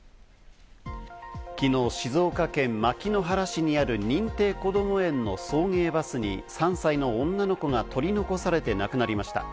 昨日、静岡県牧之原市にある認定こども園の送迎バスに３歳の女の子が取り残されて亡くなりました。